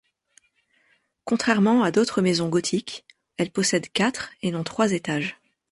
Contrairement à d'autres maisons gothiques, elle possède quatre et non trois étages.